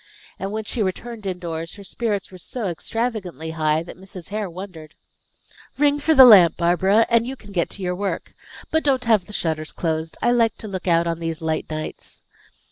And when she returned indoors, her spirits were so extravagantly high that Mrs. Hare wondered. "Ring for the lamp, Barbara, and you can get to your work. But don't have the shutters closed; I like to look out on these light nights."